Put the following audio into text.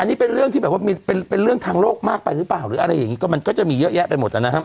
อันนี้เป็นเรื่องที่แบบว่าเป็นเรื่องทางโลกมากไปหรือเปล่าหรืออะไรอย่างนี้ก็มันก็จะมีเยอะแยะไปหมดนะครับ